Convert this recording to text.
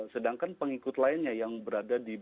sedangkan pengikut lainnya yang berada di bawah resimba